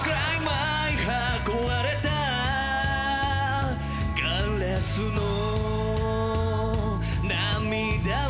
こわれたガラスの涙を